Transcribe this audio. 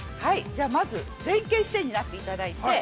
まず前傾姿勢になっていただいて。